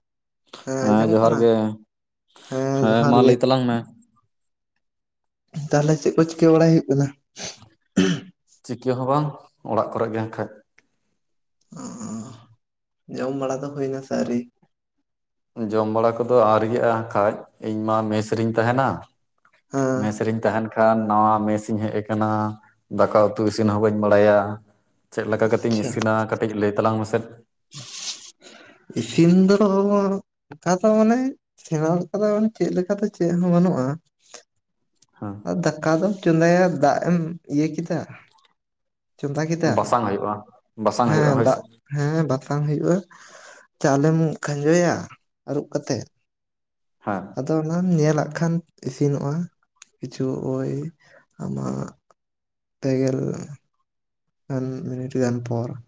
[inaudible] ᱦᱮᱸ ᱟᱸᱡᱚᱢᱚᱜ ᱡᱚᱦᱟᱨ ᱠᱟᱱᱟ? ᱜᱮ ᱦᱮᱸ ᱡᱚᱦᱟᱨ ᱢᱟ ᱜᱮ ᱞᱟᱹᱭ ᱾ ᱛᱟᱞᱟᱝ ᱢᱮ ᱛᱟᱦᱞᱮ ᱪᱮᱫ ᱠᱚ ᱪᱤᱠᱟᱹ ᱵᱟᱲᱟᱭ ᱦᱩᱭᱩᱜ ᱠᱟᱱᱟ? ᱪᱤᱠᱟᱹ ᱦᱚᱸ ᱵᱟᱝ, ᱚᱲᱟᱜ ᱠᱚ ᱨᱮ ᱜᱮ ᱮᱱᱠᱷᱟᱡ᱾ ᱚ ᱡᱚᱢ ᱵᱟᱲᱟ ᱫᱚ ᱦᱩᱭᱱᱟ ᱥᱮ ᱟᱹᱣᱨᱤ? ᱡᱚᱢ ᱵᱟᱲᱟ ᱠᱚ ᱫᱚ ᱟᱣᱨᱤᱭᱟᱜᱼᱟ ᱦᱟᱸᱜ ᱠᱷᱟᱡ ᱤᱧᱢᱟ ᱢᱮᱥ ᱨᱤᱧ ᱛᱟᱸᱦᱮᱱᱟ ᱾ ᱦᱮᱸ ᱢᱮᱥ ᱨᱮᱧ ᱛᱟᱦᱮᱱᱼᱼ ᱠᱷᱟᱱ ᱱᱟᱣᱟ ᱢᱮᱥ ᱤᱧ ᱦᱮᱡ ᱟᱠᱟᱱᱟ, ᱫᱟᱠᱟ ᱩᱛᱩ ᱤᱥᱤᱱ ᱦᱚᱸ ᱵᱟᱹᱧ ᱵᱟᱲᱟᱭᱟ ᱾ ᱪᱮᱫ ᱞᱮᱠᱟ ᱠᱟᱛᱤᱧ ᱟᱪᱪᱷᱟ ᱤᱥᱤᱱᱟ ᱠᱟᱹᱴᱤᱡ ᱞᱟᱹᱭ ᱛᱟᱞᱟᱝ ᱢᱮᱥᱮᱫ? ᱤᱥᱤᱱ ᱫᱚ [unintelligible] ᱚᱱᱠᱟ ᱫᱚ ᱢᱟᱱᱮ ᱥᱮᱬᱟ ᱞᱮᱠᱟ ᱫᱚ ᱪᱮᱫ ᱞᱮᱠᱟ ᱛᱮ ᱪᱮᱫ ᱦᱚᱸ ᱵᱟᱹᱱᱩᱜᱼᱟ᱾ ᱦᱮᱸ ᱟᱨ ᱫᱟᱠᱟ ᱫᱚᱢ ᱪᱚᱸᱫᱟᱭᱟ ᱫᱟᱜ ᱮᱢ ᱤᱭᱟᱹ ᱠᱮᱫᱟᱼᱼ ᱵᱟᱥᱟᱝ ᱦᱩᱭᱩᱜᱼᱟ ᱵᱟᱥᱟᱝ ᱦᱮᱸ ᱦᱩᱭᱩᱜᱼᱟ ᱦᱳᱭ ᱫᱟᱜ ᱥᱮ ᱾ ᱦᱮᱸ ᱵᱟᱥᱟᱝ ᱦᱩᱭᱩᱜᱼᱟ ᱾ ᱪᱟᱣᱞᱮᱢ ᱠᱷᱟᱸᱡᱚᱭᱟ ᱟᱹᱨᱩᱵ ᱠᱟᱛᱮᱫ ᱾ ᱦᱮᱸ ᱟᱫᱚ ᱚᱱᱟᱢ ᱧᱮᱞᱟᱜ ᱠᱷᱟᱱ ᱤᱥᱤᱱᱚᱜᱼᱟ ᱾ ᱠᱤᱪᱷᱩ ᱳᱭ ᱟᱢᱟᱜ ᱯᱮ ᱜᱮᱞᱼᱼ [unintelligible] ᱢᱤᱱᱤᱴ ᱜᱟᱱ ᱯᱚᱨ ᱾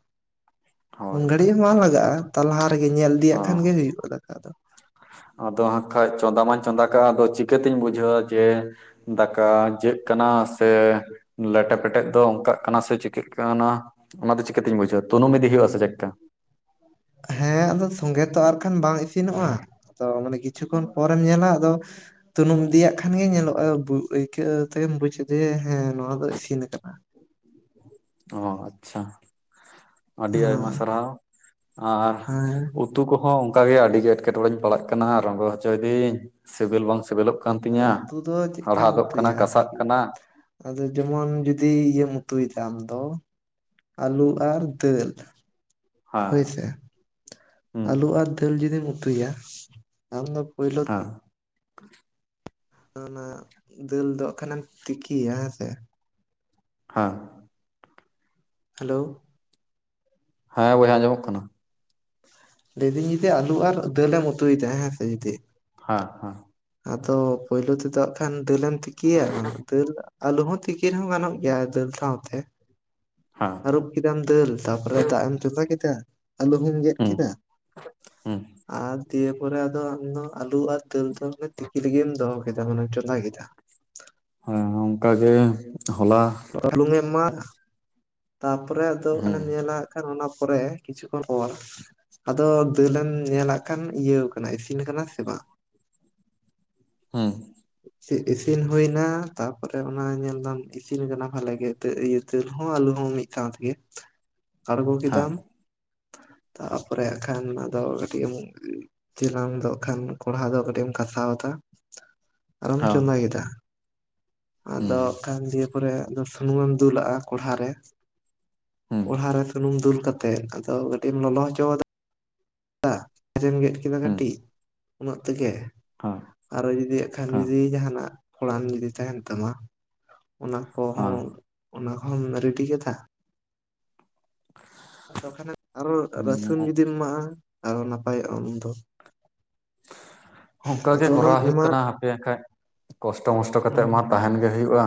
ᱩᱱ ᱦᱳᱭ ᱛᱚ ᱜᱷᱟᱹᱲᱤᱡ ᱦᱚᱸ ᱵᱟᱝ ᱞᱟᱜᱟᱜᱼᱟ ᱾ ᱛᱟᱨ ᱞᱟᱦᱟ ᱨᱮᱜᱮ ᱧᱮᱞ ᱤᱫᱤᱭᱟᱜ ᱦᱚᱸ ᱠᱷᱟᱱ ᱜᱮ ᱦᱩᱭᱩᱜᱼᱟ ᱫᱟᱠᱟ ᱫᱚ ᱾ ᱟᱫᱚ ᱦᱟᱸᱜ ᱠᱷᱟᱡ ᱪᱚᱸᱫᱟ ᱢᱟᱧ ᱪᱚᱸᱫᱟ ᱠᱟᱜᱼᱟ ᱟᱫᱚ ᱪᱤᱠᱟᱹᱛᱤᱧ ᱵᱩᱡᱷᱟᱹᱣᱟ ᱡᱮᱼᱼ ᱫᱟᱠᱟ ᱡᱟᱹᱜ ᱠᱟᱱᱟ ᱥᱮᱼᱼ ᱞᱮᱴᱮ ᱯᱮᱴᱮᱜ ᱫᱚ ᱚᱝᱠᱟᱜ ᱠᱟᱱᱟ ᱥᱮ ᱪᱤᱠᱟᱹᱜ ᱠᱟᱱᱟ ᱚᱱᱟ ᱫᱚ ᱪᱤᱠᱟᱹᱛᱤᱧ ᱵᱩᱡᱷᱟᱹᱣᱟ? ᱛᱩᱱᱩᱢ ᱤᱫᱼᱼ ᱦᱩᱭᱩᱜ ᱟᱥᱮ ᱪᱮᱫ ᱞᱮᱠᱟ? ᱦᱮᱸ ᱟᱫᱚ ᱥᱚᱸᱜᱮ ᱛᱚ ᱟᱨ ᱠᱷᱟᱱ ᱵᱟᱝ ᱤᱥᱤᱱᱚᱜᱼᱟ ᱾ ᱛᱚ ᱢᱟᱱᱮ ᱠᱤᱪᱷᱩ ᱠᱷᱚᱱ ᱯᱚᱨᱮᱢ ᱧᱮᱞᱟ ᱟᱫᱚᱼᱼ ᱛᱩᱱᱩᱢ ᱤᱫᱤᱭᱟᱜ ᱠᱷᱟᱱ ᱜᱮ ᱧᱮᱞᱚᱜᱼᱟ ᱟᱹᱭᱠᱟᱹᱣ ᱛᱮᱢ ᱵᱩᱡ ᱟᱡᱮ ᱦᱮᱸ ᱱᱚᱣᱟ ᱫᱚ ᱤᱥᱤᱱ ᱟᱠᱟᱱᱟ ᱚ ᱟᱪᱪᱷᱟ ᱾ ᱟᱹᱰᱤ ᱟᱭᱢᱟ ᱦᱮᱸ ᱥᱟᱨᱦᱟᱣ ᱾ ᱟᱨᱼᱼ ᱦᱮᱸ ᱩᱛᱩ ᱠᱚᱦᱚᱸ ᱚᱱᱠᱟ ᱜᱮ ᱟᱹᱰᱤ ᱜᱮ ᱮᱴᱠᱮ ᱴᱚᱸᱬᱮᱧ ᱯᱟᱲᱟᱜ ᱠᱟᱱᱟ ᱾ ᱨᱚᱸᱜᱚ ᱦᱚᱪᱚᱭ ᱤᱫᱟᱹᱧ ᱥᱤᱵᱤᱞ ᱵᱟᱝ ᱥᱤᱵᱤᱞᱚᱜᱼᱼ ᱠᱟᱱᱟ ᱠᱟᱱ ᱟᱫᱚ ᱛᱤᱧᱟᱹ ᱩᱛᱩ ᱫᱚ ᱪᱮᱫᱠᱟᱢ ᱦᱟᱲᱦᱟᱫᱚᱜ ᱠᱟᱱᱟ ᱩᱛᱩᱭᱟ ᱠᱟᱥᱟᱜ ᱟᱨᱠᱤ ᱠᱟᱱᱟ ᱾ ᱟᱫᱚ ᱡᱮᱢᱚᱱ ᱡᱩᱫᱤ ᱤᱭᱟᱹᱢ ᱩᱛᱩᱭ ᱫᱟ ᱟᱢ ᱫᱚᱼᱼ ᱟᱹᱞᱩ ᱟᱨ ᱫᱟᱹᱞ, ᱦᱮᱸ ᱦᱳᱭ ᱥᱮᱼᱼ ᱦᱩᱸ ᱟᱹᱞᱩ ᱟᱨ ᱫᱟᱹᱞ ᱡᱩᱫᱤᱢ ᱩᱛᱩᱭᱟ ᱟᱢ ᱫᱚ ᱯᱳᱭᱞᱳᱼᱼ ᱦᱮᱸ ᱚᱱᱟ ᱫᱟᱹᱞ ᱫᱚ ᱦᱟᱸᱜ ᱠᱷᱟᱱᱮᱢ ᱛᱤᱠᱤᱭᱟ ᱦᱮᱸ ᱥᱮᱼᱼ ᱦᱟᱸᱼᱼ ᱦᱮᱞᱳ ᱾ ᱦᱮᱸ ᱵᱚᱭᱦᱟ ᱟᱸᱡᱚᱢᱚᱜ ᱠᱟᱱᱟ ᱾ ᱞᱟᱹᱭ ᱫᱟᱹᱧ ᱡᱩᱫᱤ ᱟᱹᱞᱩ ᱟᱨ ᱫᱟᱹᱞ ᱮᱢ ᱩᱛᱩᱭ ᱮᱫᱟ ᱦᱮᱸᱥᱮ ᱡᱩᱫᱤᱼᱼ ᱦᱟᱸ ᱦᱟᱸᱼᱼ ᱟᱫᱚ ᱯᱩᱭᱞᱳ ᱛᱮᱫᱚ ᱠᱷᱟᱱ ᱫᱟᱹᱞᱮᱢ ᱛᱤᱠᱤᱭᱟ ᱫᱟᱹᱞ ᱟᱞᱩ ᱦᱚᱸ ᱛᱤᱠᱤ ᱨᱮᱦᱚᱸ ᱜᱟᱱᱚᱜ ᱜᱮᱭᱟ ᱫᱟᱹᱞ ᱥᱟᱶᱛᱮ᱾ ᱦᱮᱸ ᱟᱹᱨᱩᱵ ᱠᱮᱫᱟᱢ ᱫᱟᱹᱞ ᱛᱟᱨᱯᱚᱨᱮ ᱫᱟᱜ ᱮᱢ ᱪᱚᱸᱫᱟ ᱠᱮᱫᱟ ᱟᱞᱩ ᱦᱚᱸᱢ ᱜᱮᱫ ᱦᱩᱸ ᱠᱮᱫᱟ᱾ ᱦᱩᱸ ᱟᱨ ᱫᱤᱭᱮ ᱯᱚᱨᱮ ᱟᱫᱚ ᱟᱢᱫᱚ ᱟᱞᱩ ᱟᱨ ᱫᱟᱹᱞ ᱫᱚ ᱛᱤᱠᱤ ᱞᱟᱜᱤᱫ ᱮᱢ ᱫᱚᱦᱚ ᱠᱮᱫᱟ ᱦᱩᱱᱟᱹᱝ ᱪᱚᱸᱫᱟ ᱠᱮᱫᱟ᱾ ᱦᱮᱸ ᱚᱱᱠᱟ ᱜᱮ ᱦᱚᱞᱟ᱾ ᱵᱩᱞᱩᱝ ᱮᱢ ᱮᱢᱟ ᱟᱫ-ᱟ ᱛᱟᱯᱚᱨᱮ ᱟᱫᱚ ᱦᱩᱸ ᱚᱱᱮᱢ ᱧᱮᱞᱟ᱾ ᱠᱷᱟᱱ ᱚᱱᱟ ᱯᱚᱨᱮ ᱠᱤᱪᱷᱩ ᱠᱷᱚᱱ ᱯᱚᱨ ᱟᱫᱚ ᱫᱟᱹᱞ ᱮᱢ ᱧᱮᱞᱟᱜ ᱠᱷᱟᱱ ᱤᱭᱟᱹ ᱠᱟᱱᱟ ᱤᱥᱤᱱ ᱟᱠᱟᱱᱟ ᱥᱮ ᱵᱟᱝ ᱦᱮᱸ ᱤᱥᱤᱱ ᱦᱩᱭᱱᱟ ᱛᱟᱯᱚᱨᱮ ᱚᱱᱟ ᱧᱮᱞᱫᱟᱢ ᱤᱥᱤᱱ ᱟᱠᱟᱱᱟ ᱵᱷᱟᱞᱮ ᱜᱮ ᱤᱭᱟᱹ ᱫᱟᱹᱞ ᱦᱚᱸ ᱟᱹᱞᱩ ᱦᱚᱸ ᱢᱤᱫ ᱥᱟᱶ ᱛᱮᱜᱮ ᱟᱬᱜᱚ ᱦᱮᱸ ᱠᱮᱫᱟᱢ ᱛᱟᱯᱚᱨᱮ ᱮᱠᱷᱟᱱ ᱚᱱᱟ ᱫᱚ ᱠᱟᱹᱴᱤᱡ [unintelligible] ᱪᱮᱞᱟᱝ ᱫᱚᱜ ᱠᱷᱟᱱ ᱠᱚᱲᱦᱟ ᱫᱚ ᱠᱟᱹᱴᱤᱡ ᱮᱢ ᱜᱷᱟᱥᱟᱣ ᱫᱟ᱾ ᱟᱨᱚᱢ ᱦᱮᱸ ᱪᱚᱸᱫᱟ ᱠᱮᱫᱟ ᱟᱫᱚ ᱦᱩᱸ ᱠᱷᱟᱱ ᱯᱚᱨᱮ ᱥᱩᱱᱩᱢ ᱮᱢ ᱫᱩᱞᱟᱜ-ᱟ ᱠᱚᱲᱦᱟ ᱨᱮ ᱦᱩᱸ ᱦᱩᱸ ᱠᱚᱲᱦᱟ ᱨᱮ ᱥᱩᱱᱩᱢ ᱫᱩᱞ ᱠᱟᱛᱮ᱾ ᱛᱮᱫ ᱟᱫᱚ ᱠᱟᱹᱴᱤᱡ ᱮᱢ ᱞᱚᱞᱚ ᱦᱚᱪᱚᱫᱟᱢ [unintelligible] ᱜᱮᱫ ᱠᱮᱫᱟ ᱠᱟᱹᱴᱤᱡ᱾ ᱩᱱᱟᱹᱜ ᱛᱮᱜᱮ ᱦᱮᱸ ᱟᱨᱚ ᱡᱩᱫᱤ ᱟᱜ ᱠᱷᱟᱱ ᱦᱮᱸ ᱡᱩᱫᱤ ᱡᱩᱫᱤ ᱡᱟᱦᱟᱱᱟᱜ ᱯᱷᱲᱟᱱ ᱡᱩᱫᱤ ᱛᱟᱦᱮᱱ ᱛᱟᱢᱟ ᱚᱱᱟ ᱠᱚᱦᱚᱸ ᱦᱮᱸ ᱚᱱᱟ ᱦᱚᱸᱢ ᱨᱮᱰᱤ ᱠᱮᱫᱟ᱾ ᱛᱚᱠᱷᱟᱱᱮ ᱟᱨᱚ ᱦᱩᱸ ᱨᱟᱹᱥᱩᱱ ᱡᱩᱫᱤᱢ ᱮᱢᱟᱜ-ᱟ᱾ ᱟᱨᱚ ᱱᱟᱯᱟᱭᱚᱜ-ᱟ ᱩᱱ ᱫᱚ ᱚᱱᱠᱟ ᱟᱫᱚ ᱜᱮ ᱚᱱᱟᱢ ᱠᱚᱨᱟᱣ ᱦᱩᱭᱩᱜ ᱮᱢᱟᱜ ᱠᱟᱱᱟ ᱦᱟᱯᱮ ᱠᱷᱟᱡ ᱠᱚᱥᱴᱚ ᱢᱚᱥᱴᱚ ᱠᱟᱛᱮᱫ ᱦᱩᱸ ᱢᱟ ᱛᱟᱦᱮᱱ ᱜᱮ ᱦᱩᱭᱩᱜ-ᱟ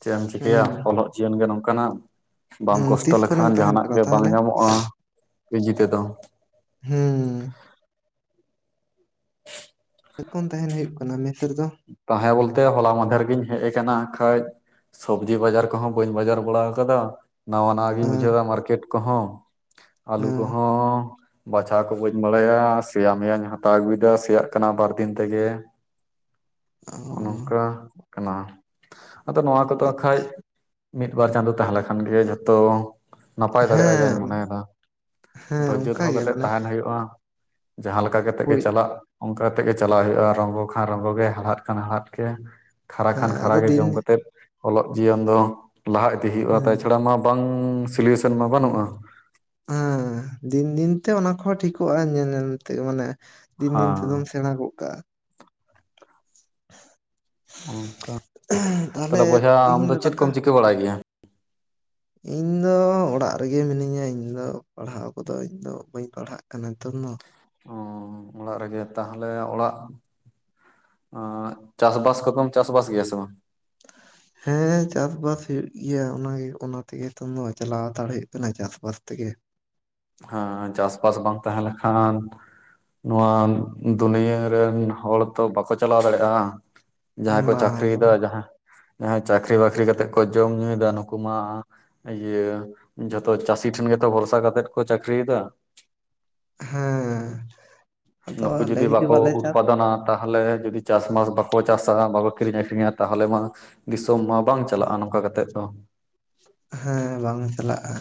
ᱪᱮᱫ ᱮᱢ ᱪᱤᱠᱟᱹᱭᱟ ᱦᱩᱸ ᱚᱞᱚᱜ ᱡᱤᱭᱚᱱ ᱜᱮ ᱱᱚᱝᱠᱟᱱᱟᱜ ᱵᱟᱢ ᱦᱩᱸ ᱠᱚᱥᱴᱚ ᱛᱤᱥ ᱠᱷᱚᱱᱮᱢ ᱞᱮᱠᱷᱟᱱ ᱛᱟᱦᱮᱱ ᱡᱟᱦᱟᱱᱟᱜ ᱠᱟᱱᱟ ᱜᱮ ᱵᱟᱝ ᱛᱟᱦᱚᱞᱮ ᱧᱟᱢᱚᱜ-ᱟ ᱤᱡᱤ ᱛᱮᱫᱚ᱾ ᱦᱩᱸ [unintelligible] ᱛᱟᱦᱮᱱ ᱦᱩᱭᱩᱜ ᱠᱟᱱᱟ ᱢᱮᱥ ᱨᱮ ᱫᱚ᱾ ᱛᱟᱦᱮᱸ ᱵᱚᱞᱛᱮ ᱦᱚᱞᱟ ᱢᱟᱦᱫᱷᱮᱨ ᱜᱤᱧ ᱦᱮᱡ ᱟᱠᱟᱱᱟ ᱠᱷᱟᱡ ᱥᱚᱵᱽᱡᱤ ᱵᱟᱡᱟᱨ ᱠᱚᱦᱚᱸ ᱵᱟᱹᱧ ᱵᱟᱡᱟᱨ ᱵᱟᱲᱟ ᱟᱠᱟᱫᱟ ᱱᱟᱣᱟ ᱱᱟᱣᱟ ᱜᱤᱧ ᱦᱮᱸ ᱵᱩᱡᱷᱟᱹᱣᱫᱟ ᱢᱟᱨᱠᱮᱴ ᱠᱚᱦᱚᱸ ᱟᱹᱞᱩ ᱦᱮᱸ ᱠᱚᱦᱚᱸ ᱵᱟᱪᱷᱟᱣ ᱠᱚ ᱵᱟᱹᱧ ᱵᱟᱲᱟᱭᱟ ᱥᱮᱭᱟ ᱢᱮᱭᱟᱧ ᱦᱟᱛᱟᱣ ᱟᱹᱜᱩᱭᱮᱫᱟ ᱥᱮᱭᱟᱜ ᱠᱟᱱᱟ ᱵᱟᱨ ᱫᱤᱱ ᱛᱮᱜᱮ ᱚ ᱱᱚᱜ ᱱᱚᱝᱠᱟ ᱠᱟᱱᱟ ᱟᱫᱚ ᱱᱚᱣᱟ ᱠᱚᱫᱚ ᱵᱟ ᱠᱷᱟᱡ ᱢᱤᱫ ᱵᱟᱨ ᱪᱟᱸᱫᱳ ᱛᱟᱦᱞᱮᱸ ᱠᱷᱟᱱ ᱜᱮ ᱡᱷᱚᱛᱚ ᱱᱟᱯᱟᱭ ᱫᱟᱲᱮᱭᱟᱜ-ᱟ ᱡᱟᱧ ᱦᱮᱸ ᱢᱚᱱᱮᱭᱮᱫᱟ ᱦᱮᱸ ᱫᱷᱳᱨᱡᱚ ᱚᱱᱠᱟ ᱫᱚᱦᱚ ᱜᱮ ᱠᱟᱛᱮᱫ ᱢᱟᱱᱮ ᱛᱟᱦᱮᱱ ᱦᱩᱭᱩᱜ-ᱟ᱾ ᱡᱟᱦᱟᱸ ᱞᱮᱠᱟ ᱠᱟᱛᱮᱜ ᱜᱮ ᱯᱳᱭ ᱪᱟᱞᱟᱜ ᱚᱱᱠᱟ ᱠᱟᱛᱮᱜ ᱜᱮ ᱪᱟᱞᱟᱜ ᱦᱩᱭᱩᱜ-ᱟ ᱨᱚᱝᱜᱚ ᱠᱷᱟᱱ ᱨᱚᱝᱜᱚ ᱜᱮ᱾ ᱦᱟᱲᱦᱟᱫ ᱠᱷᱟᱱ ᱦᱟᱲᱦᱟᱫ ᱜᱮ ᱠᱷᱟᱨᱟ ᱠᱷᱟᱱ ᱦᱮᱸ ᱟᱫᱚ ᱠᱷᱟᱨᱟᱜᱮ ᱫᱤᱱ ᱡᱚᱢ ᱠᱟᱛᱮᱫ ᱚᱞᱚᱜ ᱡᱤᱭᱚᱱ ᱫᱚ ᱞᱟᱦᱟ ᱤᱫᱤ ᱦᱩᱭᱩᱜ-ᱟ ᱦᱩᱸ ᱛᱟᱪᱷᱟᱲᱟ ᱢᱟ ᱵᱟᱝ ᱥᱳᱞᱤᱭᱮᱥᱚᱱ ᱢᱟ ᱵᱟᱹᱱᱩᱜ-ᱟ᱾ ᱦᱮᱸ ᱫᱤᱱ ᱫᱤᱱ ᱛᱮ ᱚᱱᱟ ᱠᱚᱦᱚᱸ ᱴᱷᱤᱠᱚᱜ-ᱟ ᱧᱮᱞ ᱧᱮᱞ ᱛᱮ ᱢᱟᱱᱮ ᱫᱤᱱ ᱫᱤᱱ ᱦᱮᱸ ᱛᱮᱫᱚᱢ ᱥᱮᱬᱟ ᱜᱚᱜ ᱠᱟᱜ-ᱟ᱾ [inaudible] ᱚᱱᱠᱟ ᱛᱟᱦᱚᱞᱮ ᱵᱚᱭᱦᱟ ᱛᱤᱦᱤᱧ ᱟᱢᱫᱚ ᱫᱚ ᱪᱮᱫ ᱠᱚᱢ ᱪᱤᱠᱟᱹ ᱵᱟᱲᱟᱭ ᱜᱮᱭᱟ᱾ ᱤᱧᱫᱚ ᱚᱲᱟᱜ ᱨᱮᱜᱮ ᱢᱤᱱᱟᱹᱧᱟ ᱤᱧᱫᱚ ᱯᱟᱲᱦᱟᱣ ᱠᱚᱫᱚ ᱤᱧᱫᱚ ᱵᱟᱹᱧ ᱯᱟᱲᱦᱟᱜ ᱠᱟᱱᱟ ᱱᱤᱛᱚᱝ ᱫᱚ᱾ ᱚ ᱚᱲᱟᱜ ᱨᱮᱜᱮ ᱛᱟᱦᱚᱞᱮ ᱚᱲᱟᱜ ᱪᱟᱥ ᱵᱟᱥ ᱠᱚᱫᱚᱢ ᱪᱟᱥ ᱵᱟᱥ ᱜᱮᱭᱟ ᱥᱮ ᱵᱟᱝ [inaudible] ᱦᱮᱸᱻ, ᱪᱟᱥ ᱵᱟᱥ ᱦᱩᱭᱩᱜ ᱜᱮᱭᱟ, ᱚᱱᱟᱜᱮ ᱚᱱᱟ ᱛᱮᱜᱮ, ᱱᱤᱛᱚᱝ ᱫᱚ, ᱪᱟᱞᱟᱣ ᱦᱟᱛᱟᱲ ᱦᱩᱭᱩᱜ ᱠᱟᱱᱟ, ᱪᱟᱥ ᱵᱟᱥ ᱛᱮᱜᱮ ᱾ ᱦᱮᱸ, ᱪᱟᱥ ᱵᱟᱥ ᱵᱟᱝ ᱛᱟᱦᱮᱸ ᱞᱮᱠᱷᱟᱱ ᱱᱚᱣᱟ ᱫᱩᱱᱭᱟᱹ ᱨᱮᱱ ᱦᱚᱲ ᱛᱚ, ᱵᱟᱠᱚ ᱪᱟᱞᱟᱣ ᱫᱟᱲᱮᱭᱟᱜᱼᱟ ᱾ ᱡᱟᱦᱟᱸᱭ ᱠᱚ, ᱪᱟᱹᱠᱨᱤ ᱵᱟᱝ ᱭᱮᱫᱟ, ᱵᱟᱝ ᱡᱟᱦᱟᱸ ᱡᱟᱦᱟᱸᱭ ᱪᱟᱹᱠᱨᱤ ᱵᱟᱠᱨᱤ ᱠᱟᱛᱮᱜ ᱠᱚ, ᱡᱚᱢ ᱧᱩᱭ ᱮᱫᱟ, ᱱᱩᱠᱩ ᱢᱟ ᱤᱭᱟᱹ, ᱡᱷᱚᱛᱚ ᱪᱟᱹᱥᱤ ᱴᱷᱮᱱ ᱜᱮᱛᱚ, ᱵᱷᱚᱨᱥᱟ ᱠᱟᱛᱮᱫ ᱠᱚ ᱪᱟᱹᱠᱨᱤ ᱭᱮᱫᱟ ᱾ ᱦᱟᱸᱻ ᱾ ᱱᱩᱠᱩ ᱡᱩᱫᱤ, ᱵᱟᱠᱚ ᱩᱛᱯᱟᱫᱚᱱᱟ ᱛᱟᱦᱚᱞᱮ ᱡᱩᱫᱤ, ᱪᱟᱥᱵᱟᱥ ᱵᱟᱠᱚ, ᱪᱟᱥᱟ, ᱵᱟᱠᱚ ᱠᱤᱨᱤᱧ- ᱟᱠᱷᱨᱤᱧᱟ, ᱛᱟᱦᱚᱞᱮ ᱢᱟ ᱫᱤᱥᱚᱢ ᱢᱟ, ᱵᱟᱝ ᱪᱟᱞᱟᱜᱼᱟ, ᱱᱚᱝᱠᱟ ᱠᱟᱛᱮᱫ ᱫᱚ ᱾ ᱦᱮᱸᱻ, ᱵᱟᱝ ᱪᱟᱞᱟᱜᱼᱟ,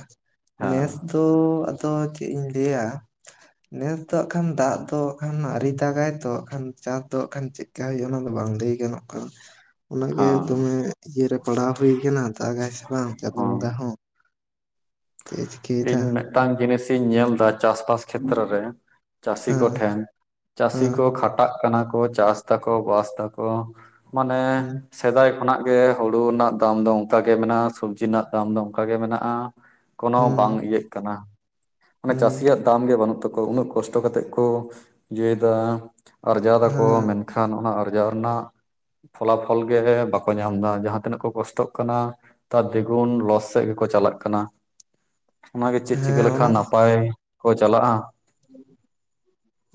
ᱦᱮᱸ ᱱᱮᱥ ᱫᱚ ᱟᱫᱚ, ᱪᱮᱫ ᱤᱧ ᱞᱟᱹᱭᱟ? ᱱᱮᱥ ᱫᱟᱜ ᱠᱷᱟᱱ, ᱫᱟᱜ ᱫᱚ ᱠᱷᱟᱱ, ᱟᱹᱣᱨᱤ ᱫᱟᱜᱟᱭ ᱛᱚ, ᱠᱷᱟᱱ ᱪᱟᱥ ᱫᱚ ᱠᱷᱟᱱ ᱪᱮᱫ ᱮᱤᱠᱟᱭ, ᱚᱱᱟ ᱫᱚ ᱵᱟᱝ ᱞᱟᱹᱭ ᱜᱟᱱᱚᱜ ᱠᱟᱱᱟ ᱾ ᱚᱱᱟ ᱜᱮ, ᱦᱮᱸ ᱫᱚᱢᱮ ᱤᱭᱟᱹᱨᱮ, ᱯᱟᱲᱦᱟᱣ ᱦᱩᱭ ᱟᱠᱟᱱᱟ, ᱫᱟᱜᱟᱭ ᱥᱮ ᱵᱟᱝ, ᱪᱟᱸᱫᱚ ᱦᱮᱸ ᱵᱚᱸᱜᱟ ᱦᱚᱸ ᱾ ᱛᱮᱡ, [inaudible] ᱤᱧ ᱢᱤᱫᱴᱟᱝ ᱡᱤᱱᱤᱥ, ᱤᱧ ᱧᱮᱞ ᱮᱫᱟ, ᱪᱟᱥ-ᱵᱟᱥ ᱠᱷᱮᱛᱨᱚ ᱨᱮ, ᱪᱟᱹᱥᱤ ᱦᱮᱸ ᱠᱚᱴᱷᱮᱱ, ᱪᱟᱹᱥᱤ ᱦᱮᱸ ᱠᱚ ᱠᱷᱟ ᱠᱷᱴᱟᱜ ᱠᱟᱱᱟ ᱠᱚ, ᱪᱟᱥ ᱛᱟᱠᱚ, ᱵᱟᱥ ᱮᱫᱟᱠᱚ ᱢᱟᱱᱮ ᱦᱩᱸ ᱥᱮᱫᱟᱭ ᱠᱷᱚᱱᱟᱜ ᱜᱮ, ᱦᱩᱲᱩ ᱨᱮᱱᱟᱜ ᱫᱟᱢ ᱫᱚ, ᱚᱱᱠᱟᱜ ᱜᱮ, ᱢᱮᱱᱟᱜᱼᱟ ᱾ ᱥᱚᱵᱽᱡᱤ ᱨᱮᱱᱟᱜ, ᱫᱟᱢ ᱫᱚ, ᱚᱱᱠᱟᱜ ᱜᱮ, ᱢᱮᱱᱟᱜᱼᱟ ᱾ ᱠᱳᱱᱳ ᱵᱟᱝ ᱦᱩᱸ ᱤᱭᱟᱹᱜ ᱠᱟᱱᱟ, ᱢᱟᱱᱮ ᱦᱩᱸ ᱪᱟᱹᱥᱤᱭᱟᱜ ᱫᱟᱢ ᱜᱮ, ᱵᱟᱹᱱᱩᱜ ᱛᱟᱠᱚᱣᱟ ᱾ ᱩᱱᱟᱹᱜ ᱠᱚᱥ ᱴᱟᱣ‌ ᱠᱟᱛᱮ ᱠᱚ, ᱤᱭᱟᱹ ᱮᱫᱟ, ᱟᱨᱡᱟᱣ ᱮᱫᱟ ᱠᱚ, ᱦᱮᱸ ᱢᱮᱱᱠᱷᱟᱱ ᱚᱱᱟ, ᱟᱨᱡᱟᱣ ᱨᱮᱱᱟᱜ ᱯᱷᱚᱞᱟᱯᱷᱚᱞ ᱜᱮ, ᱵᱟᱠᱚ ᱧᱟᱢ ᱮᱫᱟ, ᱡᱟᱦᱟᱸ ᱛᱤᱱᱟᱹᱜ ᱠᱚ, ᱠᱚᱥᱴᱚᱜ ᱠᱟᱱᱟ ᱾ ᱛᱟᱨ, ᱫᱤᱜᱩᱱ ᱞᱚᱥ ᱥᱮᱫ ᱜᱮᱠᱚ, ᱪᱟᱞᱟᱜ ᱠᱟᱱᱟ ᱾ ᱚᱱᱟᱜᱮ, ᱪᱮᱫ ᱪᱤᱠᱟᱹ ᱦᱮᱸ ᱞᱮᱠᱟᱱ ᱚᱱᱟ ᱱᱟᱯᱟᱭ ᱠᱚ, ᱪᱟᱞᱟᱜᱼᱟ ᱾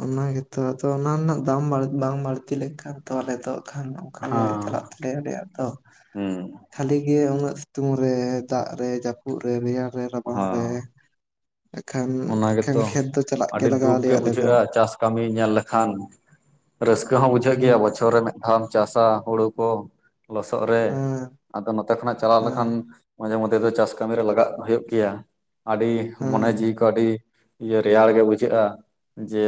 ᱚᱱᱟ ᱜᱮᱛᱚ, ᱟᱫᱚ, ᱚᱱᱟ ᱨᱮᱱᱟᱜ, ᱫᱟᱢ ᱵᱟᱝ ᱵᱟᱹᱲᱛᱤ ᱞᱮ- ᱞᱮᱠᱷᱟᱱ ᱛᱚ, ᱟᱞᱮ ᱫᱚ, ᱠᱷᱟᱱ ᱚᱱᱠᱟ ᱜᱮ, ᱦᱮᱸ ᱪᱟᱞᱟᱜ ᱛᱟᱞᱮᱭᱟ᱾ ᱟᱞᱮᱭᱟᱜ ᱛᱚ ᱦᱩᱸ ᱠᱷᱟᱹᱞᱤ ᱱᱤᱭᱟᱹ ᱩᱱᱟᱹᱜ ᱥᱤᱛᱩᱝ ᱨᱮ, ᱫᱟᱜ ᱨᱮ, ᱡᱟᱹᱯᱩᱫ ᱨᱮ, ᱨᱮᱭᱟᱲ ᱨᱮ ᱦᱚᱸᱻ ᱨᱟᱵᱟᱝ ᱨᱮ ᱾ ᱮᱠᱷᱟᱱ ᱚᱱᱟ ᱮᱠᱷᱟᱱ ᱜᱮᱛᱚ, ᱠᱷᱮᱛ ᱫᱚ ᱪᱟᱞᱟᱜ ᱟᱹᱰᱤ ᱞᱟᱜᱟᱣ ᱫᱩᱠ ᱜᱮ, ᱟᱞᱮᱭᱟ ᱟᱞᱮ ᱫᱚ ᱵᱩᱡᱷᱟᱹᱜᱼᱟ, ᱪᱟᱥ ᱠᱟᱹᱢᱤ ᱧᱮᱞ ᱞᱮᱠᱷᱟᱱ, ᱨᱟᱹᱥᱠᱟᱹ ᱦᱚᱸ, ᱵᱩᱡᱷᱟᱹᱜ ᱜᱮᱭᱟ, ᱦᱩᱸ ᱵᱚᱪᱷᱚᱨ ᱨᱮ ᱟᱢ ᱪᱟᱥᱟ, ᱦᱩᱲᱩ ᱠᱚ ᱞᱚᱥᱚᱫ ᱨᱮ, ᱦᱮᱸ ᱟᱫᱚ ᱱᱚᱛᱮ ᱠᱷᱚᱱᱟᱜ, ᱪᱟᱞᱟᱣ ᱞᱮᱠᱷᱟᱱ, ᱦᱮᱸ ᱢᱟᱡᱷᱮ ᱢᱚᱫᱽᱫᱷᱮ ᱫᱚ, ᱪᱟᱥ ᱠᱟᱹᱢᱤ ᱨᱮ, ᱞᱟᱜᱟᱜ ᱦᱩᱭᱩᱜ ᱜᱮᱭᱟ, ᱟᱹᱰᱤ ᱢᱚᱱᱮ ᱦᱮᱸ ᱡᱤᱣᱤ ᱠᱚ, ᱟᱹᱰᱤ ᱤᱭᱟᱹ ᱨᱮᱭᱟᱲ ᱜᱮ, ᱵᱩᱡᱷᱟᱹᱜᱼᱟ ᱾ ᱡᱮ,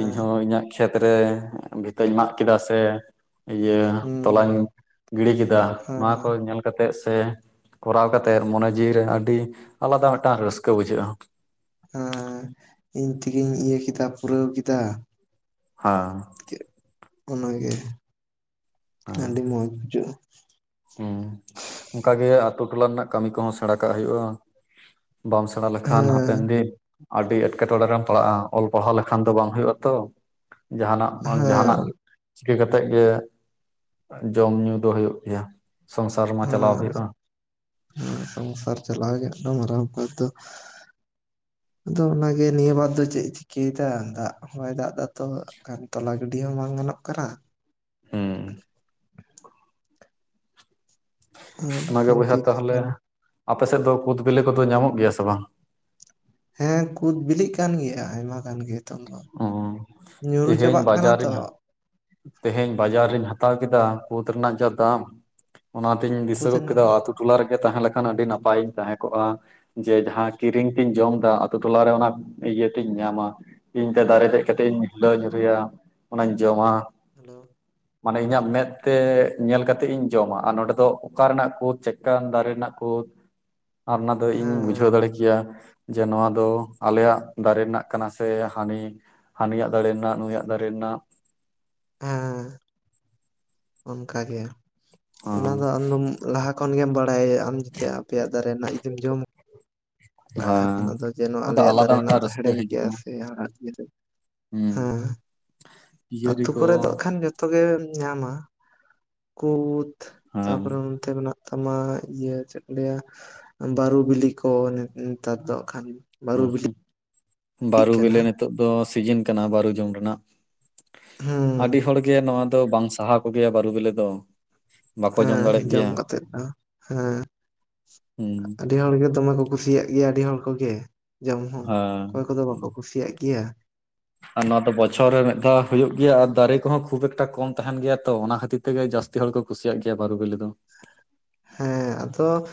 ᱤᱧ ᱦᱚᱸ ᱤᱧᱟᱹᱜ ᱠᱷᱮᱛ ᱨᱮ, ᱵᱷᱤᱛᱟᱹᱧ ᱢᱟᱜ ᱠᱮᱫᱟ ᱥᱮ ᱤᱭᱟᱹ, ᱦᱩᱸ ᱛᱚᱞᱟᱧ ᱜᱤᱰᱤ ᱠᱮᱫᱟ, ᱱᱚᱣᱟ ᱠᱚ ᱦᱮᱸ ᱧᱮᱞ ᱠᱟᱛᱮᱫ ᱥᱮ, ᱠᱚᱨᱟᱣ ᱠᱟᱛᱮᱫ, ᱢᱚᱱᱮ ᱡᱤᱣᱤ ᱨᱮ ᱟᱹᱰᱤ ᱟᱞᱟᱫᱟ ᱢᱤᱫᱴᱟᱝ ᱨᱟᱹᱥᱠᱟᱹ ᱵᱩᱡᱷᱟᱹᱜᱼᱟ ᱾ ᱮᱸᱻ ᱤᱧ ᱛᱮᱜᱮᱧ ᱤᱭᱟᱹ ᱠᱮᱫᱟ, ᱯᱩᱨᱟᱹᱣ ᱠᱮᱫᱟ ᱾ ᱦᱟᱸᱻ ᱾ [inaudible] ᱚᱱᱟᱜᱮ, ᱟᱹᱰᱤ ᱢᱚᱡᱽ ᱵᱩᱡᱷᱟᱹᱜᱼᱟ ᱾ ᱦᱩᱸᱻ, ᱚᱱᱠᱟ ᱜᱮ, ᱟᱛᱳ ᱴᱚᱞᱟ ᱨᱮᱱᱟᱜ, ᱠᱟᱹᱢᱤ ᱠᱚᱦᱚᱸ, ᱥᱮᱬᱟ ᱠᱟᱜ ᱦᱩᱭᱩᱜᱼᱟ ᱾ ᱵᱟᱢ ᱥᱮᱬᱟ ᱞᱮᱠᱷᱟᱱ, ᱦᱮᱸ ᱦᱟᱯᱮᱱ ᱫᱤᱱ ᱟᱹᱰᱤ, ᱮᱸᱴᱠᱮᱴᱚᱬᱮ ᱨᱮᱢ ᱯᱟᱲᱟᱜᱼᱟ, ᱚᱞ ᱯᱟᱲᱦᱟᱣ ᱞᱮᱠᱷᱟᱱ ᱫᱚ, ᱵᱟᱝ ᱦᱩᱭᱩᱜᱼᱟ ᱛᱚ, ᱡᱟᱦᱟᱸᱱᱟᱜ ᱵᱟᱝ ᱦᱮᱸ ᱡᱟᱦᱟᱸᱱᱟᱜ ᱪᱤᱠᱟᱹ ᱠᱟᱛᱮᱫ ᱜᱮ ᱡᱚᱢ ᱧᱩ ᱫᱚ ᱦᱩᱭᱩᱜ ᱜᱮᱭᱟ ᱥᱚᱝᱥᱟᱨ ᱢᱟ ᱪᱟᱞᱟᱣ ᱦᱩᱭᱩᱜᱼᱟ? ᱦᱮ ᱥᱚᱝᱥᱟᱨ ᱪᱟᱞᱟᱣ ᱜᱮ ᱦᱟᱸᱜ ᱫᱚ ᱢᱟᱨᱟᱝ ᱵᱮᱯᱟᱨ ᱫᱚ ᱾ ᱟᱫᱚ ᱚᱱᱟᱜᱮ ᱱᱤᱭᱟᱹ ᱵᱟᱨ ᱫᱚ ᱪᱮᱫ ᱪᱤᱠᱟᱹᱭᱮᱫᱟ, ᱫᱟᱜ ᱦᱚ ᱵᱟᱭ ᱫᱟᱜ ᱫᱟ ᱛᱚ ᱾ ᱠᱷᱟᱱ ᱛᱚᱞᱟ ᱜᱤᱰᱤ ᱦᱚᱸ ᱵᱟᱝ ᱜᱟᱱᱚᱜ ᱠᱟᱱᱟ ᱾ ᱦᱮᱸ ᱾ ᱟᱨ ᱚᱱᱟᱜᱮ ᱠᱷᱟᱱ ᱵᱚᱭᱦᱟ ᱛᱤᱥ ᱛᱟᱦᱚᱞᱮ, ᱠᱷᱟᱱ ᱟᱯᱮ ᱥᱮᱫ ᱫᱚ ᱠᱩᱫ ᱵᱮᱞᱮ ᱠᱚᱫᱚ ᱧᱟᱢᱚᱜ ᱜᱮᱭᱟ ᱥᱮ ᱵᱟᱝ? ᱦᱮᱸ ᱠᱩᱫ ᱵᱤᱞᱤᱜ ᱠᱟᱱ ᱜᱮᱭᱟ ᱟᱭᱢᱟ ᱠᱟᱱ ᱜᱮ ᱦᱤᱛᱚᱝ ᱫᱚ, ᱚ ᱧᱩᱨᱩ ᱛᱮᱦᱮᱧ ᱪᱟᱵᱟᱜ ᱠᱟᱱᱟ ᱛᱚ ᱵᱟᱡᱟᱨᱤᱧ ᱾ ᱛᱮᱦᱮᱧ ᱵᱟᱡᱟᱨ ᱨᱤᱧ ᱦᱟᱛᱟᱣ ᱠᱮᱫᱟ ᱠᱩᱫᱽ ᱨᱮᱱᱟᱜ ᱡᱟ ᱫᱟᱢ ᱾ ᱚᱱᱟᱛᱤᱧ ᱫᱤᱥᱟᱹ ᱠᱩᱫ ᱜᱚᱫ ᱨᱮᱱᱟᱜ ᱠᱮᱫᱟ ᱫᱚ᱾ ᱟᱛᱳ ᱴᱚᱞᱟ ᱨᱮᱜᱮ ᱛᱟᱦᱮᱸ ᱞᱮᱠᱷᱟᱱ ᱟᱹᱰᱤ ᱱᱟᱯᱟᱭᱤᱧ ᱛᱟᱦᱮᱸ ᱠᱚᱜᱼᱟ ᱾ ᱡᱮ ᱡᱟᱦᱟᱸ ᱠᱤᱨᱤᱧ ᱛᱤᱧ ᱡᱚᱢ ᱫᱟ ᱟᱛᱳ ᱴᱚᱞᱟᱨᱮ ᱚᱱᱟ ᱤᱭᱟᱹᱛᱤᱧ ᱧᱟᱢᱟ ᱾ ᱤᱧ ᱛᱮ ᱦᱮᱸ ᱫᱟᱨᱮ ᱫᱮᱡ ᱠᱟᱛᱮᱜ ᱤᱧ ᱦᱤᱞᱟᱹᱣ ᱧᱩᱨᱩᱭᱟ, ᱚᱱᱟᱧ ᱡᱚᱢᱟ ᱾ ᱦᱮᱞᱳ! ᱢᱟᱱᱮ ᱤᱧᱟᱹᱜ ᱢᱮᱫ ᱛᱮ ᱧᱮᱞ ᱠᱟᱛᱮᱜ ᱤᱧ ᱡᱚᱢᱟ, ᱟᱨ ᱱᱚᱰᱮ ᱫᱚ ᱚᱠᱟ ᱨᱮᱱᱟᱜ ᱠᱳᱫ ᱪᱮᱫᱠᱟᱱ ᱫᱟᱨᱮ ᱨᱮᱱᱟᱜ ᱠᱳᱫ? [unintelligible] ᱟᱨ ᱚᱱᱟ ᱫᱚ ᱤᱧ ᱵᱩᱡᱷᱟᱹᱣ ᱦᱮᱸ ᱫᱟᱲᱮ ᱠᱮᱭᱟ, ᱡᱮ ᱱᱚᱣᱟ ᱫᱚ ᱟᱞᱮᱭᱟᱜ ᱫᱟᱨᱮ ᱨᱮᱱᱟᱜ ᱠᱟᱱᱟ ᱥᱮ ᱦᱟᱹᱱᱤ ᱦᱟᱹᱱᱤᱭᱟᱜ ᱫᱟᱲᱮ ᱱᱟᱜ ᱱᱩᱭᱟᱜ ᱫᱟᱨᱮ ᱨᱮᱱᱟᱜ ᱾ ᱦᱮᱸ ᱾ ᱚᱱᱠᱟ ᱜᱮ, ᱚᱱᱟ ᱦᱮᱸ ᱫᱚ ᱟᱫᱚᱢ ᱞᱟᱦᱟ ᱠᱷᱚᱱ ᱜᱮᱢ ᱵᱟᱲᱟᱭᱟ, ᱟᱢ ᱡᱟᱛᱮ ᱟᱯᱭᱟᱜ ᱫᱟᱨᱮ ᱨᱮᱱᱟᱜ ᱡᱩᱫᱤᱢ ᱡᱚᱢᱟ ᱠᱟᱜ ᱦᱮᱸ ᱠᱷᱟᱱ ᱟᱫᱚ ᱡᱮ ᱱᱳᱭᱟ ᱟᱫᱚ ᱟᱞᱮᱭᱟᱜ ᱟᱞᱟᱫᱟ ᱫᱟᱨᱮ ᱨᱮᱱᱟᱜ ᱢᱤᱫᱴᱟᱝ ᱫᱚ ᱨᱟᱹᱥᱠᱟᱹ ᱦᱮᱲᱮᱢ ᱦᱤᱡᱩᱜᱼᱟ ᱜᱮᱭᱟ ᱥᱮ ᱦᱟᱲᱦᱟᱫ ᱜᱮᱭᱟ ᱥᱮ ᱾ ᱦᱩᱸ ᱦᱮᱸ ᱾ [inaudible] ᱟᱛᱩ ᱠᱚ ᱠᱚᱨᱮ ᱫᱚ ᱦᱟᱜ ᱠᱷᱟᱱ ᱡᱚᱛᱚ ᱜᱮᱢ ᱧᱟᱢᱟ, ᱠᱩᱫ ᱦᱮᱸ ᱛᱟᱯᱚᱨᱮ ᱛᱮ ᱢᱮᱱᱟᱜ ᱛᱟᱢᱟ ᱤᱭᱟᱹ ᱪᱮᱫ ᱠᱚ ᱞᱟᱹᱭᱟ! ᱵᱟᱨᱩ ᱵᱤᱞᱤ ᱠᱚ ᱱᱮ-ᱱᱤᱛᱟᱨ ᱫᱚ ᱦᱟᱜ ᱠᱷᱟᱱ ᱾ ᱩᱸ ᱦᱩᱸ, ᱵᱟᱨᱩ ᱠᱟᱱᱟ ᱵᱮᱞᱮ ᱱᱤᱛᱚᱜ ᱫᱚ ᱥᱤᱡᱤᱱ ᱠᱟᱱᱟ ᱵᱟᱨᱩ ᱡᱚᱢ ᱨᱮᱱᱟᱜ ᱾ ᱦᱩᱸ ᱟᱹᱰᱤ ᱦᱚᱲᱜᱮ ᱱᱚᱣᱟ ᱫᱚ ᱵᱟᱝ ᱥᱟᱦᱟ ᱠᱚᱜᱮᱭᱟ ᱵᱟᱹᱨᱩ ᱵᱤᱞᱮ ᱫᱚ ᱾ ᱦᱮᱸ, ᱡᱚᱢ ᱠᱟᱛᱮᱜ ᱦᱚᱸ, ᱦᱮᱸ ᱦᱩᱸ ᱾ ᱟᱹᱰᱤ ᱦᱚᱲᱜᱮ ᱫᱚᱢᱮ ᱠᱚ ᱠᱩᱥᱤᱭᱟᱜ ᱜᱮᱭᱟ ᱟᱹᱰᱤ ᱦᱚᱲ ᱠᱚᱜᱮ ᱡᱚᱢ ᱦᱚᱸ ᱦᱮᱸ ᱚᱠᱚᱭ ᱠᱚᱫᱚ ᱵᱟᱠᱚ ᱠᱩᱥᱤᱭᱟᱜ ᱜᱮᱭᱟ ᱾ ᱟᱨ ᱱᱚᱣᱟ ᱫᱚ ᱵᱚᱪᱷᱚᱨ ᱨᱮ ᱢᱤᱫ ᱫᱷᱟᱣ ᱦᱩᱭᱩᱜ ᱜᱮᱭᱟ ᱟᱨ ᱫᱟᱨᱮ ᱠᱚᱦᱚᱸ ᱠᱷᱩᱵ ᱮᱠᱴᱟ ᱠᱚᱢ ᱛᱟᱦᱮᱱ ᱜᱮᱭᱟ ᱛᱚ ᱚᱱᱟ ᱠᱷᱟᱹᱛᱤᱨ ᱛᱮᱜᱮ ᱡᱟᱹᱥᱛᱤ ᱦᱚᱲ ᱠᱚ ᱠᱩᱥᱤᱭᱟᱜ ᱜᱮᱭᱟ ᱵᱟᱨᱩ ᱵᱮᱞᱮ ᱫᱚ ᱾ ᱦᱮᱸ, ᱟᱫᱚ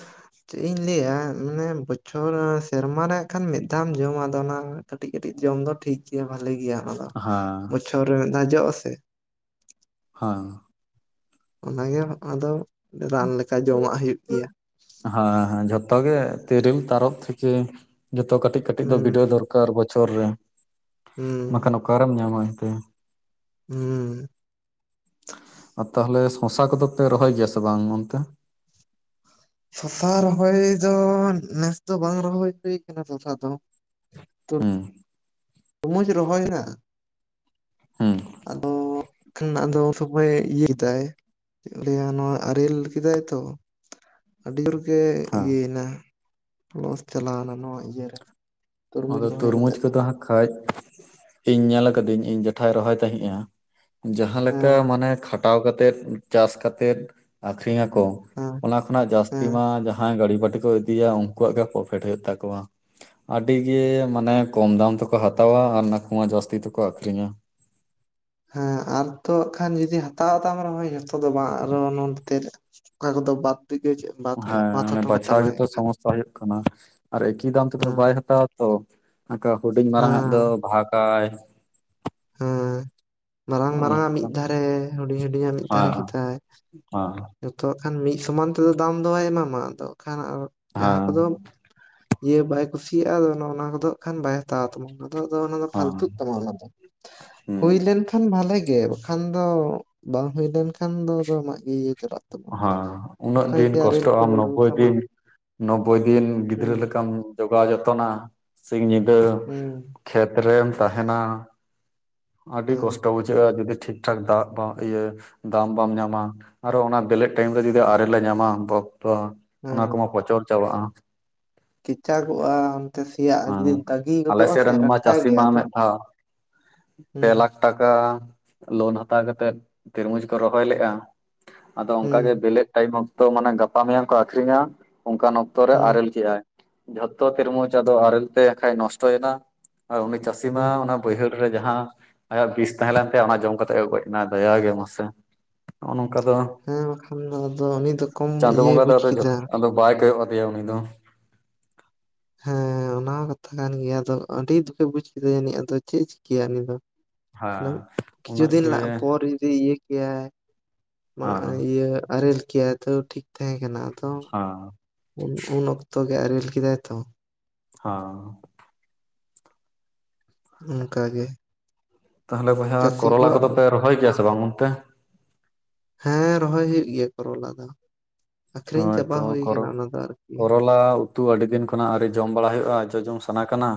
ᱪᱮᱫ ᱤᱧ ᱞᱟᱹᱭᱟ ᱢᱟᱱᱮ ᱵᱚᱪᱷᱚᱨ ᱥᱮᱨᱢᱟ ᱨᱮ ᱦᱟᱜ ᱠᱷᱟᱱ ᱢᱤᱫ ᱫᱷᱟᱣ ᱮᱢ ᱡᱚᱢᱟ ᱟᱫᱚ ᱚᱱᱟ ᱠᱟᱹᱴᱤᱡ ᱠᱟᱹᱴᱤᱡ ᱡᱚᱢ ᱫᱚ ᱴᱷᱤᱠ ᱜᱮᱭᱟ ᱵᱟᱹᱞᱮ ᱜᱮᱭᱟ ᱟ ᱾ ᱦᱟᱸ ᱾ ᱪᱷᱚᱨ ᱨᱮ ᱢᱤᱫ ᱫᱷᱟᱭ ᱡᱚᱜᱼᱟ ᱥᱮ ᱾ ᱦᱮᱸ ᱾ ᱚᱱᱟᱜᱮ ᱟᱫᱚ ᱨᱟᱱ ᱞᱮᱠᱟ ᱡᱚᱢᱟᱜ ᱦᱩᱭᱩᱜ ᱜᱮᱭᱟ ᱾ ᱦᱟᱸ ᱦᱮᱸ ᱡᱷᱚᱛᱚ ᱜᱮ ᱛᱤᱨᱤᱞ ᱛᱟᱨᱚᱵ ᱛᱷᱮᱠᱮ ᱡᱚᱛᱚ ᱠᱟᱹᱴᱤᱡ ᱠᱟᱹᱴᱤᱡ ᱫᱚ ᱵᱤᱰᱟᱹᱣ ᱦᱩᱸ ᱫᱚᱨ ᱠᱟᱨ ᱵᱚᱪᱷᱚᱨ ᱨᱮ, ᱦᱩᱸ ᱵᱟᱠᱷᱟᱱ ᱚᱠᱟᱨᱮᱢ ᱧᱟᱢᱟ ᱮᱱᱛᱮ ᱾ ᱦᱩᱸ ᱾ ᱟᱨ ᱛᱟᱦᱚᱞᱮ ᱥᱚᱥᱟ ᱠᱚᱫᱚ ᱯᱮ ᱨᱚᱦᱚᱭ ᱜᱮᱭᱟ ᱥᱮ ᱵᱟᱝ ᱚᱱᱛᱮ? ᱥᱚᱥᱟ ᱨᱚᱦᱚᱭ ᱫᱚ ᱱᱮᱥ ᱫᱚ ᱵᱟᱝ ᱨᱚᱦᱚᱭ ᱦᱩᱭᱩ ᱠᱟᱱᱟ ᱥᱚᱥᱟ ᱫᱚ ᱾ ᱦᱩᱸ ᱾ ᱛᱚᱨᱢᱩᱡᱽ ᱨᱚᱦᱚᱭ ᱦᱟᱜᱼᱟ ᱦᱩᱸ ᱟᱫᱚᱼᱼ ᱠᱷᱟᱱ ᱟᱫᱚ ᱥᱚᱢᱚᱭ ᱤᱭᱟᱹ ᱫᱟᱭᱼᱼ ᱪᱮᱫ ᱠᱚ ᱞᱟ. ᱭᱼᱟ ᱱᱚᱣᱟ ᱟᱨᱮᱞ ᱠᱮᱫᱟᱭ ᱛᱚ᱾ ᱟᱹᱰᱤ ᱡᱳᱨ ᱜᱮ ᱦᱮᱸ ᱤᱭᱟᱹᱭᱮᱱᱟ ᱞᱚᱥ ᱪᱟᱞᱟᱣ ᱱᱟ ᱱᱚᱣᱟ ᱤᱭᱟᱹ ᱨᱮ᱾ ᱟᱫᱚ ᱛᱩᱨᱢᱩᱡᱽ ᱠᱚᱫᱚ ᱦᱟᱸᱜ ᱠᱷᱟᱱᱡ ᱤᱧ ᱧᱮᱞ ᱠᱟᱹᱫᱟᱹᱧ ᱤᱧ ᱡᱮᱴᱷᱟᱭ ᱨᱚᱦᱚᱭ ᱛᱟᱦᱮᱸᱫᱼᱟᱼᱼ ᱡᱟᱦᱟᱸᱮ ᱞᱮᱠᱟ ᱦᱮᱸ ᱢᱟᱱᱮ ᱠᱷᱟᱴᱟᱣ ᱠᱟᱛᱮᱫ ᱪᱟᱥ ᱠᱟᱛᱮᱫ ᱟᱠᱷᱨᱤᱧ ᱟᱠᱚᱼᱼ ᱦᱮᱸ ᱚᱱᱟ ᱠᱷᱚᱱᱟᱜ ᱡᱟᱹᱥᱛᱤ ᱦᱮᱸ ᱢᱟ ᱡᱟᱦᱟᱸᱭ ᱜᱟᱹᱲᱤ ᱵᱟᱹᱴᱤ ᱠᱚ ᱤᱫᱤᱭᱟ ᱩᱱᱠᱩᱣᱟᱜ ᱜᱮ ᱯᱨᱚᱯᱷᱤᱴ ᱦᱩᱭᱩᱜ ᱛᱟᱠᱚᱣᱟ᱾ ᱟᱹᱰᱤ ᱜᱮ ᱢᱟᱱᱮ ᱠᱚᱢ ᱫᱟᱢ ᱛᱮᱠᱚ ᱦᱟᱛᱟᱣᱟ ᱟᱨ ᱱᱟᱠᱩ ᱡᱟ ᱡᱟᱥᱛᱤ ᱛᱮᱠᱚ ᱟᱠᱷᱨᱤᱧᱟ᱾ ᱦᱮᱸ ᱟᱨ ᱛᱚᱜ ᱠᱷᱟᱱ ᱡᱩᱫᱤ ᱦᱟᱛᱟᱣ ᱛᱟᱢ ᱨᱮᱦᱚᱸ ᱡᱚᱛᱚ ᱫᱚ ᱵᱟᱝ ᱟᱨᱚ ᱱᱚᱱᱛᱮ ᱨᱮᱼᱼ ᱚᱠᱟ ᱠᱚᱫᱚ [unintelligible] ᱦᱮᱸ ᱵᱟᱫ ᱚᱱᱮ ᱦᱚᱴᱚ ᱵᱟᱪᱷᱟᱣ ᱠᱟᱛᱟᱢᱟᱭ ᱜᱮᱛᱚ ᱠᱷᱟᱱ ᱥᱚᱢᱚᱥᱥᱟ ᱦᱩᱭᱩᱜ ᱠᱟᱱᱟ ᱟᱨ ᱮᱠᱤ ᱫᱟᱢ ᱛᱮᱫᱚ ᱦᱮᱸ ᱵᱟᱭ ᱦᱟᱛᱟᱣᱟ ᱛᱚ᱾ ᱟᱠᱟ ᱦᱩᱰᱤᱧ ᱢᱟᱨᱟᱝ ᱟᱜ ᱦᱮᱸ ᱫᱚ ᱵᱟᱜᱟᱭ᱾ ᱦᱮᱸ ᱢᱟᱨᱟᱝ ᱦᱚᱸᱜᱼᱚ ᱢᱟᱨᱟᱝ ᱟᱜ ᱱᱚᱝᱠᱟ ᱢᱤᱫ ᱫᱷᱟᱨᱮ ᱦᱩᱰᱤᱧ ᱦᱩᱰᱤᱧ ᱟᱜ ᱢᱤᱫ ᱫᱷᱟᱨᱮ ᱦᱮᱸ ᱠᱮᱫᱟᱭ᱾ ᱡᱚᱛᱚᱣᱟᱜ ᱠᱷᱟᱱ ᱢᱤᱫ ᱥᱚᱢᱟᱱ ᱛᱮᱫᱚ ᱫᱟᱢ ᱫᱚ ᱵᱟᱭ ᱮᱢᱟᱢᱟ ᱟᱫᱚ ᱠᱷᱟᱱ ᱟᱨ ᱡᱟᱦᱟᱸ ᱦᱮᱸ ᱠᱚᱫᱚᱼᱼ ᱤᱭᱟᱹ ᱵᱟᱭ ᱠᱩᱥᱤᱭᱟᱜᱼᱟ ᱟᱫᱚ ᱚᱱᱟ ᱠᱚᱫᱚ ᱦᱟᱜ ᱠᱷᱟᱱ ᱵᱟᱭᱼᱼ ᱦᱟᱛᱟᱣ ᱛᱟᱢᱟ ᱟᱫᱚ ᱚᱱᱟ ᱫᱚ ᱦᱮᱸ ᱯᱷᱟᱞᱛᱩᱜ ᱛᱟᱢᱟ ᱚᱱᱟ ᱫᱚ ᱦᱩᱸ ᱦᱩᱭ ᱞᱮᱱᱠᱷᱟᱱ, ᱵᱷᱟᱞᱮᱜ ᱜᱮ ᱵᱟᱠᱷᱟᱱ ᱫᱚ ᱵᱟᱝ ᱦᱩᱭ ᱞᱮᱱᱠᱷᱟᱱ ᱫᱚ ᱟᱢᱟᱜ ᱜᱮ ᱤᱭᱟᱹ ᱪᱟᱞᱟᱜᱼᱼ ᱠᱟᱱᱟ, ᱦᱮᱸ ᱩᱱᱟᱹᱜ ᱫᱤᱱ ᱠᱚᱥᱴᱚᱜ ᱟᱢ ᱧᱩᱨᱩ ᱱᱚᱵᱵᱳᱭ ᱛᱟᱢᱟ ᱫᱤᱱ ᱱᱚᱵᱽᱵᱳᱭ ᱫᱤᱱ ᱜᱤᱫᱽᱨᱟᱹ ᱦᱩᱸ ᱞᱮᱠᱟᱢ, ᱡᱚᱜᱟᱣ ᱡᱚᱛᱚᱱᱟ ᱥᱤᱧ ᱧᱤᱫᱟᱹ ᱦᱩᱸ ᱠᱷᱮᱛ ᱨᱮᱢ ᱛᱟᱦᱮᱱᱟ, ᱟᱹᱰᱤ ᱦᱮᱸ ᱠᱚᱥᱴᱚ ᱵᱩᱡᱷᱟᱹᱜᱼᱟ ᱡᱩᱫᱤ ᱴᱷᱤᱠᱴᱷᱟᱠ ᱫᱟᱜ ᱤᱭᱟᱹ ᱫᱟᱢ ᱵᱟᱢ ᱧᱟᱢᱟ ᱟᱨᱚ ᱚᱱᱟ, ᱵᱮᱞᱮᱫ ᱴᱟᱭᱤᱢ ᱨᱮ ᱡᱩᱫᱤ ᱟᱨᱮᱞ ᱞᱮ ᱧᱟᱢᱟ ᱵᱟᱵᱵᱟ ᱱᱟ ᱠᱚᱢᱟ ᱯᱚᱪᱚᱨ ᱪᱟᱵᱟᱜᱼᱟ, ᱠᱮᱪᱟᱜᱚᱜᱼᱟᱱ᱾ ᱥᱮᱭᱟ ᱟᱜ ᱦᱮᱸ ᱡᱩᱫᱤ ᱫᱟᱜᱤ ᱟᱞᱮ ᱜᱚᱫᱚᱜᱼᱟ ᱥᱮᱫ ᱥᱮ ᱨᱮᱱ ᱢᱟ ᱴᱟᱴᱠᱟ ᱪᱟᱹᱥᱤ ᱜᱮ ᱢᱟ ᱟᱫᱚ ᱢᱤᱫ ᱫᱷᱟᱣ ᱯᱮ ᱦᱮᱸ, ᱞᱟᱠᱷ ᱴᱟᱠᱟ ᱞᱳᱱ ᱦᱟᱛᱟᱣ ᱠᱟᱛᱮᱫ ᱛᱤᱨᱢᱩᱡᱽ ᱠᱚ ᱨᱚᱦᱚᱭ ᱞᱮᱫᱼᱟ, ᱟᱫᱚ ᱦᱩᱸ ᱚᱱᱠᱟᱜᱮ ᱵᱮᱞᱮᱫ ᱴᱟᱭᱤᱢ ᱚᱠᱛᱚ ᱢᱟᱱᱮ ᱜᱟᱯᱟ ᱢᱮᱭᱟᱝ ᱠᱚ ᱟᱠᱷᱨᱤᱧᱟ ᱚᱱᱠᱟᱱ ᱚᱠᱛᱚ, ᱡᱚᱛᱚ ᱨᱮ ᱦᱩᱸ ᱟᱨᱮᱞ ᱠᱮᱜ-ᱟᱭ ᱡᱷᱚᱛᱚ ᱛᱤᱨᱢᱩᱡᱽᱟᱸᱫᱚ ᱟᱨᱮᱞ ᱛᱮ ᱠᱷᱟᱱᱟᱡ ᱱᱚᱥᱴᱚᱭᱮᱱᱟ, ᱟᱨ ᱩᱱᱤ ᱪᱟᱥᱤ ᱦᱩᱸ ᱢᱟ ᱚᱱᱟᱼᱼ ᱵᱟᱹᱭᱦᱟᱹᱲ ᱨᱮ ᱡᱟᱦᱟᱸ ᱟᱭᱟᱜ ᱵᱤᱥ ᱛᱟᱦᱮᱸ ᱞᱮᱱ ᱛᱟᱭᱟ ᱚᱱᱟ ᱡᱚᱢ ᱠᱟᱛᱮᱜ ᱮ ᱜᱚᱡ ᱮᱱᱟ ᱫᱟᱭᱟᱜᱮ ᱢᱟᱥᱮ, ᱱᱚᱜᱼᱚ ᱱᱚᱝᱠᱟ ᱫᱚ᱾ ᱦᱮᱸ ᱵᱟᱠᱷᱟᱱ ᱫᱚ ᱟᱫᱚ ᱩᱱᱤ ᱫᱚ ᱠᱚᱢ ᱪᱟᱸᱫᱚ ᱤᱭᱟᱹᱭ ᱵᱚᱸᱜᱟ ᱫᱚ ᱵᱩᱡ ᱡᱚᱛᱚ ᱠᱮᱫᱟ ᱫᱚ ᱵᱟᱭ ᱠᱚᱭᱚᱜ ᱟᱫᱮᱭᱟ ᱩᱱᱤ ᱫᱚ᱾ ᱦᱮᱸ ᱚᱱᱟ ᱠᱟᱛᱷᱟ ᱠᱟᱱ ᱜᱮᱭᱟ ᱟᱫᱚ ᱟᱹᱰᱤ ᱫᱩᱠᱮ ᱵᱩᱡ ᱠᱮᱫᱟ ᱡᱟᱱᱤᱡ ᱟᱫᱚ ᱪᱮᱫ ᱮ ᱪᱤᱠᱟᱹᱭᱟ ᱩᱱᱤ ᱫᱚ᱾ ᱦᱮᱸ ᱚᱱᱟ ᱠᱤᱪᱷᱩ ᱩᱱᱟᱹᱜ ᱫᱤᱱ ᱡᱮ ᱯᱚᱨ ᱡᱩᱫᱤ ᱤᱭᱟᱹ ᱠᱮᱭᱟᱭ᱾ ᱦᱮᱸ ᱤᱭᱟᱹ ᱟᱨᱮᱞ ᱠᱮᱟᱭ ᱛᱟᱣ ᱴᱷᱤᱠ ᱛᱟᱦᱮᱸ ᱠᱟᱱᱟ ᱛᱚ᱾ ᱦᱟᱸ ᱩᱱ ᱚᱠᱛᱚ ᱜᱮ ᱟᱨᱮᱞ ᱠᱮᱫᱟᱭ ᱛᱚ᱾ ᱦᱟᱸ ᱚᱱᱠᱟᱜ ᱜᱮᱼᱼ ᱛᱟᱦᱚᱞᱮ ᱵᱚᱭᱦᱟ ᱠᱚᱨᱚᱞᱟ ᱠᱚᱫᱚ ᱫᱚ ᱯᱮ ᱨᱚᱦᱚᱭ ᱜᱮᱭᱟ ᱥᱮ ᱵᱟᱝ ᱚᱱᱛᱮ? ᱦᱮᱸ ᱨᱚᱦᱚᱭ ᱦᱩᱭᱩᱜ ᱜᱮᱭᱟ ᱠᱚᱨᱚᱞᱟ ᱫᱚ ᱟᱠᱷᱨᱤᱧ ᱪᱟᱵᱟ ᱦᱩᱭ ᱠᱟᱱᱟ ᱚᱱᱟ ᱫᱚ ᱟᱨᱠᱤ᱾ ᱴᱚᱞᱟ [unintelligible] ᱩᱛᱩ ᱟᱹᱰᱤ ᱫᱤᱱ ᱠᱷᱚᱱᱟᱜ ᱟᱣᱨᱤ ᱡᱚᱢ ᱵᱟᱲᱟ ᱦᱩᱭᱩᱜᱼᱟ ᱡᱚᱡᱚᱢ ᱥᱟᱱᱟ ᱠᱟᱱᱟ᱾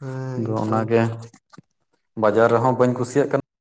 ᱦᱮᱸ ᱟᱫᱚ ᱮᱠᱫᱚᱢ ᱚᱱᱟᱜᱮ ᱵᱟᱡᱟᱨ ᱨᱮᱦᱚᱸ ᱵᱟᱹᱧ ᱠᱩᱥᱤᱭᱟᱜ ᱠᱟᱱᱟ᱾